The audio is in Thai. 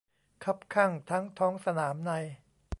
คับคั่งทั้งท้องสนามใน